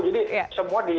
jadi semua di